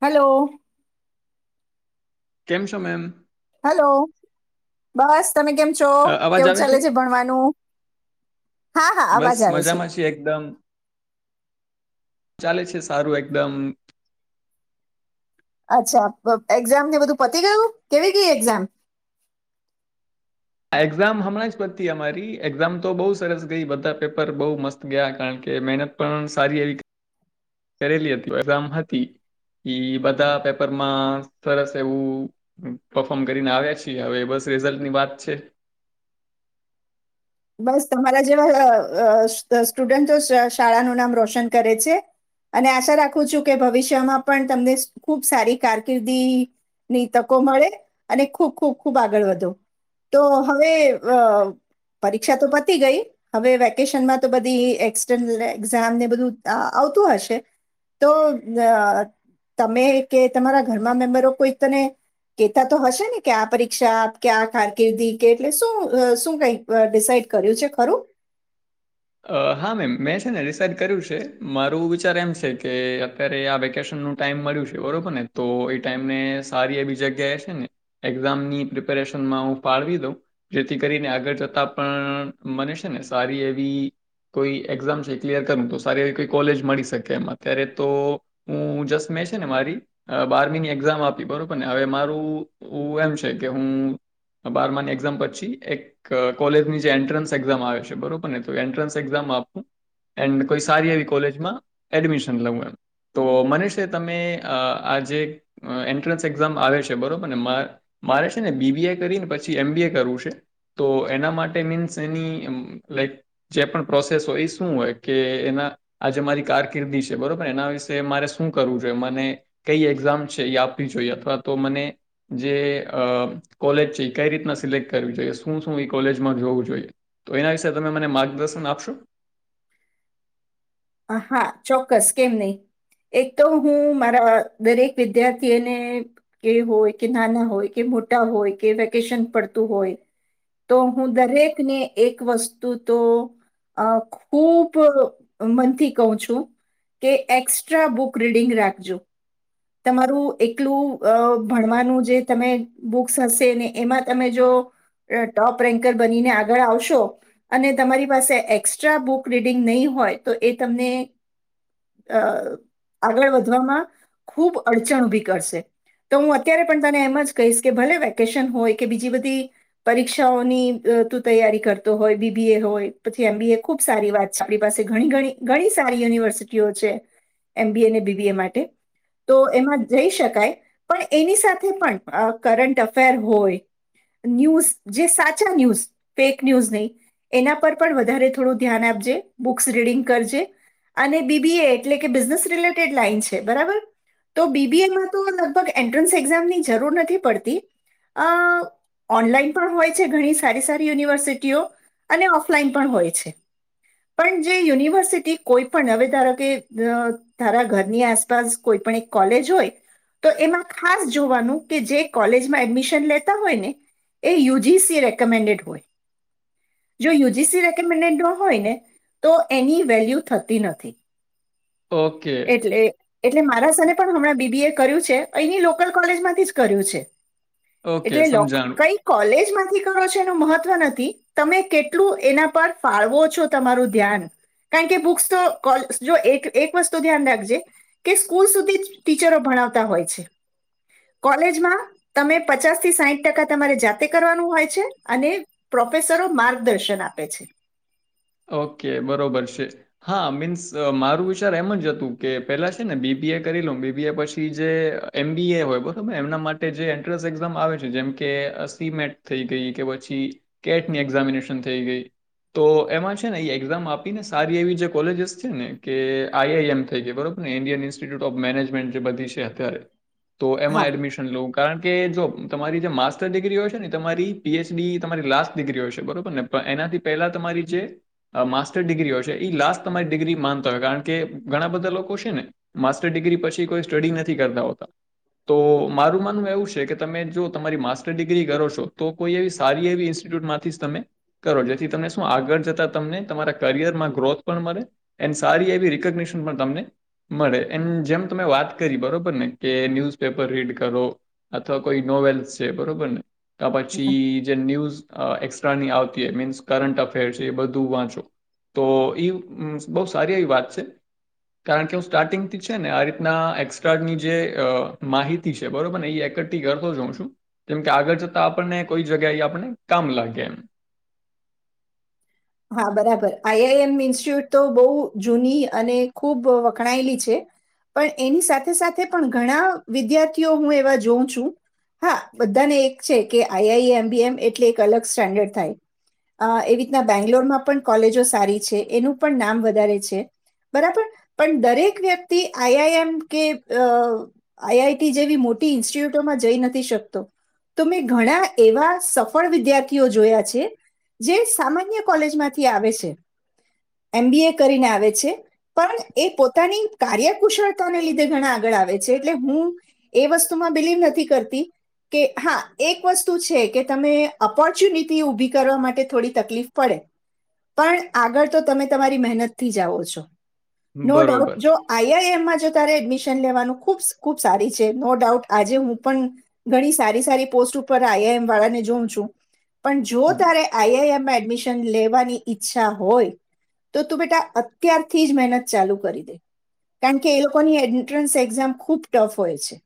Hello કેમ છો ma'am hello બસ. તમે કેમ છો અ અવાજ કેવું આવે ચાલે છે ભણવાનું હા હા બસ અવાજ આવે છે. મજામાં છીએ એકદમ ચાલે છે સારું એકદમ. અચ્છા એક્ઝામ ને બધું પતી ગયું કેવી ગઈ એક્ઝામ? એક્ઝામ હમણાં જ પતી અમારી એક્ઝામ તો બહુ સરસ ગઈ બધા પેપર બહુ મસ્ત ગયા કારણ કે મહેનત પણ સારી એવી કરેલી હતી એક્ઝામ હતી એ બધા પેપરમાં સરસ એવું પફોર્મ કરીને આવ્યા છીએ હવે બસ રિઝલ્ટની વાત છે. બસ તમારા જેવા સ્ટુડન્ટ તો શાળાનું નામ રોશન કરે છે અને આશા રાખું છું કે ભવિષ્યમાં પણ તમને ખૂબ સારી કારકિર્દીની તકો મળે અને ખૂબ ખૂબ ખૂબ આગળ વધો તો હવે પરીક્ષા તો પતી ગઈ હવે વેકેશનમાં તો બધી એક્સર્નલ એક્ઝામને બધું આવતું હશે તો તમે કે તમારા ઘરમાં મેમ્બરો કોઈ તને કહેતા તો હશે ને કે આ પરીક્ષા કે આ કારકિર્દી કે એટલે શું શું કઈક ડિસાઈડ કર્યું છે ખરું. હા મેમ મેં છે ને ડિસઇડ કર્યું છે મારું વિચાર એમ છે કે અત્યારે આ વેકેશનનું ટાઈમ મળ્યું છે બરોબર ને તો એ ટાઈમને સારી એવી જગ્યાએ છે ને એક્ઝામની પ્રિપેરેશનમાં હું ફળવી દઉં જેથી કરીને આગળ જતા પણ મને છે ને સારી એવી કોઈ એક્ઝામ છે ક્લિયર કરું તો સારી એવી કોઈ કોલેજ મળી શકે એમ અત્યારે તો હું જસ્ટ મેં છે ને મારી બારમીની એક્ઝામ આપી બરોબર ને હવે મારું એમ છે કે હું બારમાની એક્ઝામ પછી એક કોલેજની જે એન્ટ્રન્સ એક્ઝામ આવે છે બરોબર ને તો એન્ટ્રસ એ કોઈ સારી એવી કોલેજમાં એડમિશન લવું એમ તો મને છે તમે આ જે એન્ટ્રન્સ એક્ઝામ આવે છે બરોબરને મારે છેને બીબીએ કરીને પછી એમ બી એ કરવું છે તો એના માટે મીન્સ એ જે પણ પ્રોસેસ હોય એ શું હોય કે એના આજે મારી કારકિર્દી છે બરોબર એના વિશે મારે શું કરવું જોઈએ મને કઈ એક્ઝામ છે એ આપવી જોઈએ અથવા તો મને જે કોલેજ છે એ કઈ રીતના સિલેક્ટ કરવી જોઈએ શું શું એ કોલેજમાં જોવું જોઈએ તો એના વિશે તમે મને મા ન આપશું. હા ચોક્કસ કેમ નહી એક તો હું મારા દરેક વિદ્યાર્થીને એ હોય કે નાના હોય કે મોટા હોય કે વેકેશન પડતું હોય તો હું દરેકને એક વસ્તુ તો ખૂબ મનથી કું છું કે એક્સ્ટ્રા બુક રીડિંગ રાખજો. તમારું એકલું ભણવાનું જે તમે બુક્સ હશે ને એમાં તમે જો ટોપ રેન્કર બનીને આગળ આવશો અને તમારી પાસે એક્સ્ટ્રા બુક રીડિંગ નહી હોય તો એ તમને અ આગળ વધવામાં ખૂબ અડચણ ઉભી કરશે તો હું અત્યારે પણ તને એમ જ કહીશ કે ભલે વેકેશન હોય કે બીજી બધી પરીક્ષાઓની તું તૈયારી કરતો હોય બીબીએ હોય પછી એમબીએ ખૂબ સારી વાત છે આપણી પાસેણી ઘણી સારી યુનિવર્સિટીઓ છે એમબીએ અને બીબીએ માટે તો એમાં જઈ શકાય પણ એની સાથે પણ કરંટ અફેર હોય ન્યૂઝ જે સાચા ન્યૂઝ ફેક ન્યૂઝ નહી એના પર પણ વધારે થોડું ધ્યાન આપજે બુક્સ રીડિંગ કરજે અને બીબીએ એટલે કે બિઝનેસ રિલેટેડ લાઈન છે બરાબર. તો બીબીએમાં તો લગભગ એન્ટ્રન્સ એક્ઝામની જરૂર નથી પડતી અ ઓનલાઈન પણ હોય છે ઘણી સારી સારી યુનિવર્સિટીઓ અને ઓફલાઈન પણ હોય છે પણ જે યુનિવર્સિટી કોઈ પણ હવે ધારો કે ધારા ઘરની આસપાસ કોઈ પણ કોલેજ હોય તો એમાં ખાસ જોવાનું કે જે કોલેજમાં એડમિશન લેતા હોય ને એ યુજીસી રેકમેન્ડેડ હોય જો યુજીસી રેકેમેન્ડેડ હોય ને તો એની વેલ્યુ થતી નથી. ઓકે. એટલે એટલે મારા સને પણ હમણાં બીબી એ કર્યું છે અહીની લોકલ કોલેજ માંથી જ કર્યું છે. ઓકે એટલે સમજાણું કઈ કોલેજમાં કરો છો એનું મહત્વ નથી તમે કેટલું એના પર ફાળવો છો તમારું ધ્યાન. કારણ કે બુક્સ તો જો એક એક વસ્તુ ધ્યાન રાખજે કે સ્કૂલ સુધી ટીચરો ભણાવતા હોય છે. કોલેજમાં તમે પચાસ થી સાહીઠ ટકા તમારે જાતે કરવાનું હોય છે અને પ્રોફેસરો માર્ગદર્શન આપે છે. ઓકે બરોબર છે. હા મીન્સ મારું વિચાર એમ જ હતું કે પેલા છે ને બી બી એ કરી લઉ બી બી એ પછી જે એમ બી એ હોય બરોબર એમના માટે જે એન્ટ્રન્સ એક્ઝામ આવે છે. જેમ કે સી મેટ થઈ ગઈ કે પછી કેટની એક્ઝામિનેશન થઈ ગઈ તો એમાં છે ને એ એક્ઝામ આપી ને સારી એવી જે કોલેજસ છે ને કે આઈ આઈ એમ થઈ ગ બરોબર ને ઇન્ડિયન ઇન્સ્ટિટ્યૂટ ઓફ મેનેજમેન્ટ જે બધી છે અત્યારે. તો એમાં હા. એડમિશન લઉ કારણ કે જો તમારી જે માસ્ટર ડિગ્રી હોય છે ને તમારી પી એચ ડી તમારી લાસ્ટ ડિગ્રી હોય છે બરોબર ને એનાથી પહેલા તમારી જે માસ્ટર ડિગ્રી હોય છે એ લાસ્ટ તમારી ડિગ્રી માનતા હોય. કારણ કે ઘણા બધા લોકો છે ને માસ્ટર ડિગ્રી પછી કોઈ સ્ટડી નથી કરતા હોતા. તો મારું માનવું એવું છે કે તમે જો તમારી માસ્ટર ડિગ્રી કરો છો તો કોઈ એવી સારી એવી ઇન્સ્ટિટ્યૂટમાંથી જ તમે કરો. જેથી તમને શું આગળ જતા તમને તમારા કરિયરમાં ગ્રોથ પણ મળે એન્ડ સારી એવી રિકગ્નશન પણ તમને મળે. એમ જેમ તમે વાત કરી બરોબર ને કે ન્યૂઝપેપર રીડ કરો અથવા કોઈ નોવેલ્સ છે બરોબર ને. તા પછી જે ન્યૂઝ એક્સ્ટ્રાની આવતી એ મીન્સ કરંટ અફેર્ છે એ બધ વાચો તો એ બહ સારી એ વાત છે. કારણ કે હું સ્ટાર્ટિંગથી છે ને આ રીતના એક્સ્ટ્રાની જે માહિતી છે બરોબર ને એ એકઠી કરતો જાઉં છું. જેમ કે આગળ જતા આપણને કોઈ જગ્યાએ આપને કામ લાગે એમ. હા બરાબર આઈ આઈ એમ ઇન્સ્ટિટ્યૂટ તો બહુ જૂની અને ખૂબ વખણાયેલી છે. પણ એની સાથે સાથે પણ ઘણા વિદ્યાર્થીઓ હું એવા જોઉં છું. હા બધાને એક છે કે આઈ આઈ એમ બી એમ એટલે એક અલગ સ્ટેન્ડર્ડ થાય એ રીતના બેંગ્લોરમાં પણ કોલેજો સારી છે, એનું પણ નામ વધારે છે. બરાબર પણ દરેક વ્યક્તિ આઈ આઈ એમ કે આઈ આઈ ટી જેવી મોટી ઇન્સ્ટિટ્યુટોમાં જઈ નથી શકતો. તો મેં ઘણા એવા સફળ વિદ્યાર્થીઓ જોયા છે જે સામાન્ય કોલેજમાંથી આવે છે. એમ બી એ કરીને આવે છે પણ એ પોતાની કાર્યકુશળતાને લીધે ઘણા આગળ આવે છે. એટલે હું એ વસ્તુમાં બિલીવ નથી કરતી કે હા એક વસ્તુ છે કે તમે ઓપોર્ચ્યુનિટી ઉભી કરવા માટે થોડી તકલીફ પડે પણ આગળ તો તમે તમારી મહેનતથી જાઓ છો. નો ડાઉટ બરોબર. જો આઈ આઈ એમ માં જો એડમિશન લેવાનું ખબ ખુબ સારી છે નો ડાઉટ આજે હું પણ ઘણી સારી સારી પોસ્ટ ઉપર આઈ આઈ એમ વાળા ને જોઉ છું. પણ જો હમ. તારે આઈ આઈ એમ. એડમિન લેવાની ઈચ્છા હોય તો તું બેટા અત્યારથી જ મહેનત ચાલુ કરી દે કારણ કે એ લોકોની એન્ટ્રસ એઝામ ખુબ ટફ હોય છે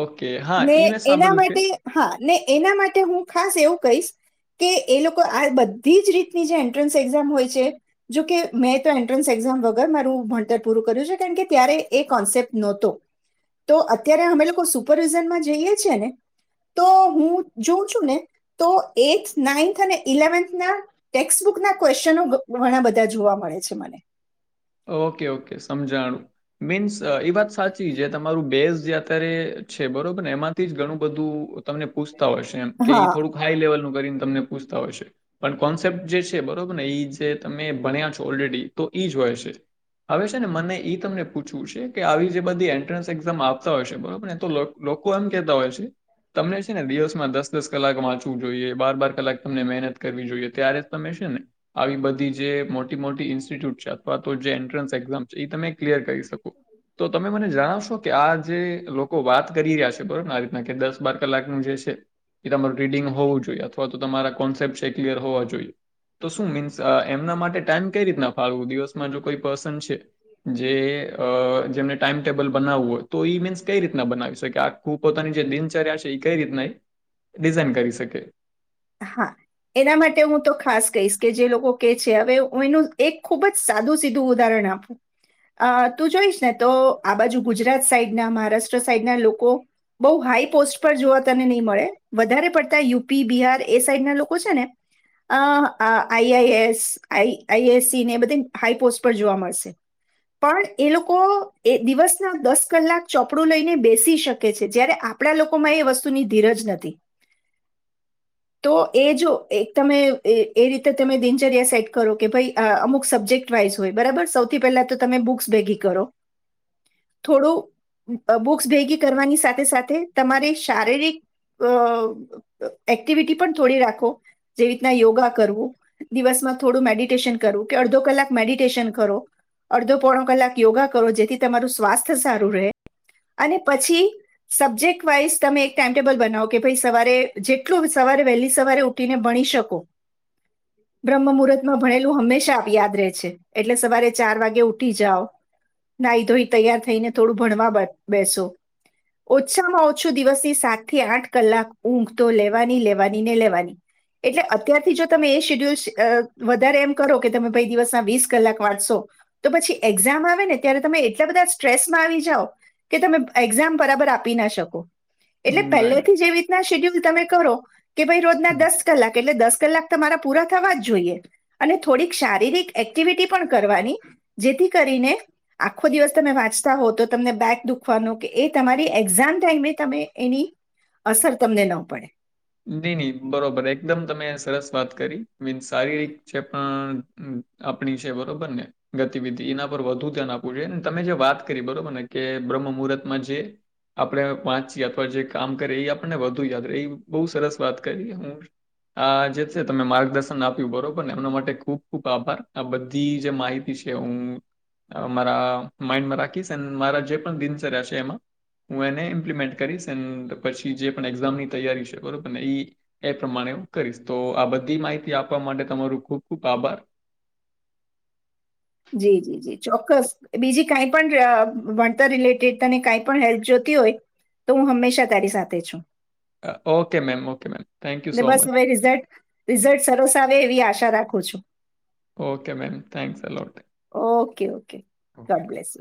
ઓકે. હા, ને ઈ મેં એના સાંભળ્યું છે. માટે હા ને એના માટે હું ખાસ એવું કહીશ, કે એ લોકો આ બધ બધી જ રીતની જે એન્ટ્રન્સ એક્ઝામ હોય છે. જોકે મેં તો એન્ટ્રન્સ એક્ઝામ વગર મારું ભણતર પૂરું કર્યું છે. કારણ કે, ત્યારે એ કોન્સેપ્ટ નહોતો તો અત્યારે, અમે લોકો સુપરવિઝનમાં જઈએ છીએ, ને તો હું જોઉં છું. ને તો એથ નાઈન્થ અને ઇલેવન્થ ટેક્સ્ટબુક ના ક્વેશ્નો ઘણા બધા જોવા મળે છે. મને ઓકે ઓકે સમજાણું મીન્સ એ વાત સાચી છે. તમારું બેઝ જે અત્યારે છે. બરોબર ને એમાંથી જ ઘણું બધું તમને પૂછતા હોયશે. એમ કે હા થોડુંક હાઈ લેવલનું ત પૂછતા હોય પણ કોન્સેપ જે છે. બરોબર ને એ જે તમે ભણ્યા છો ઓલરેડી તો એ જ હોય છે. હવે છે. ને મને ઇ તમને પૂછવું છે, કે આવી જે બધી એન્ટ્રન્સ એક્ઝામ આપતા હોય છે. બરોબર ને તો લોકો એમ કેહેતા હોય છે. તમને છે, ને દિવસમાં દસ દસ કલાક વાંચવું જોઈએ, બાર બાર કલાક તમને મહેનત કરવી જોઈએ. ત્યારે તમે છે, ને આવી બધી જે મોટી મોટી ઇન્સ્ટિટ્યૂટ છે, અવા તો જે એન્ટ્રન્સ એક્ઝામ એ તમે ક્લિયર કરી શકો. તો તમે મને જણાવશો કે, આ જે લોકો વાત કરી રહ્યા છે. બરોબરને આ રીતના કે દસ બાર કલાકનું જે છે. એ તમારું રીડિંગ હોવું જોઈએ. અથવા તો તમારા કોન્સેપ્ટ છે. એ ક્લિયર હોવા જોઈએ તો શું મિન્સ એમના માટે ટાઈમ કઈ રીતના ફાળવું દિવસ જો કોઈ પર્સન છે, જે અ જેમને ટાઈમ ટેબલ બનાવવું હોય. તો ઈ મીન્સ કઈ રીતના બનાવી શકે, આખું પોતાની જે દિનચર્યા છે. એ કઈ રીતના ડિઝાઇન કરી શકે. હા, એના માટે હું તો ખાસ કહીશ કે જે લોકો કે છે. હવે, હું એનું એક ખૂબ જ સાદું સીધું ઉદાહરણ આપું અ તું જોઈશ, ને તો આ બાજુ ગુજરાત સાઈડ ના મહારાષ્ટ્ર સાઈડના લોકો બહુ હાઈ પોસ્ટ પર જોવા તને નહી મળે. વધારે પડતા યુપી બિહાર એ સાઈડના લોકો છે, ને અ આઈ આઈ એસ આ આઈએસસી ને એ બધી હાઈ પોસ્ટ પર જોવા મળશે પણ એ લોકો એ દિવસના દસ કલાક ચોપડું લઈને બેસી શકે છે. જય્યારે આપણા લોકોમાં એ વસ્તુની ધીરજ નથી. તો એ જો એક તમે એ રીતે તમે દિનચર્યા સેટ કરો કે, ભાઈ અમુક સબ્જેક્ટ વાઈઝ હોય બરાબર સૌથી પહેલા તો તમે બુક્સ ભેગી કરો થોડું બુક્સ ભેગી કરવાની સાથે સાથે તમારી શારીરિક અ એ એક્ટિવિટી પણ થોડી રાખો જેવી રીતના યોગા કરવું, દિવસમાં થોડું મેડિટેશન કરવું કે, અડધો કલાક મેડિટેશન કરો અડધો પોણો કલાક યોગા કરો. જેથી, તમારું સ્વાસ્થ્ય સારું રહે અને પછી સબ્જેક્ટ વાઈઝ તમે એક ટાઈમટેબલ બનાવો કે ભાઈ સવારે જે સવારે વહેલી સવારે ઉઠીને ભણી શકો, બ્રહ્મ મુહૂર્ત માં ભણેલું હંમેશા આપ યાદ રહે છે. એટલે સવારે ચાર વાગે ઉઠી જાઓ, નાહી ધોઈ તૈયાર થઈને થોડું ભણવા બ બેસો ઓછામાં ઓછું દિવસથી સાત થી આઠ કલાક ઊંઘ તો લે વાની લેવાની ને લેવાની એટલે અત્યારથી જો તમે એ શેડ્યુલ અ વધારે એમ કરો કે, તમે ભ ઈદિવસ ના વીસ કલાક વાંચશો તો પછી, એક્ઝામ આવે ને ત્યારે તમે એટલા બધા સ્ટ્રેસમાં આવી જાઓ કે તમે એક્ઝામ બરાબર આપી ના શકો. એટલે રાઈટ પહેલેથી જેવી રીતના શેડ્યુલ તમે કરો. કે ભાઈ રોજના દસ કલાક એટલે દસ કલાક તમારા પૂરા થવા જ જોઈએ. અને થોડીક શારીરિક એક્ટિવિટી પણ કરવાની જેથી, કરીને આખો દિવસ તમે વાંચતા હો, તો તમને બેક દુખવાનો કે એ તમારી એક્ઝામ ટાઈમે તમે એની અસર તમને ન પડે. નહી નહી, બરોબર એકદમ તમે સરસ વાત કરી મી શારીરિક જે પણ આપણી છે. બરોબર ને ગતિવિધિ એના પર વધુ ધ્યાન આપવું જોઈએ. તમે જે વાત કરી બરોબર ને કે બ્રહ્મ મુહૂર્તમાં જે આપણે વાંચી અથવા જે કામ કરે એ આપણને વધુ યાદ રહે. એ બહુ સરસ વાત કરી હું આ જે છે. ત માર્ગદર્શન આપ્યું, બરોબરને એમના માટે ખૂબ ખુબ આભાર આ બધી જે માહિતી છે. હું મારા માઈન્ડમાં રાખીશ એ મારા જે પણ દિનચર્યા છે એમાં હું એને ઇમ્પ્લિમેન્ટ કરીશ એન્ પછી જે પણ એક્ઝામની તૈયારી છે. બરોબરને, એ એ પ્રમાણે હું કરીશ તો, આ બધી માહિતી આપવા માટે તમારું ખૂબ ખૂબ આભાર. જી જી જી ચોક્કસ બીજી કાઈ પણ ભણતર રિલેટેડ તને કાઈ પણ હેલ્પ જોતી હોય તો, હું હંમેશા તારી સાથે છું. Okay ma'am okay ma'am. Thank you એ સો બસ મચ હવે રિઝલ્ટ રિઝલ્ટ સરસ આવે એવી આશા રાખું છું okay ma'am thanks a lot okay okay ગ્સ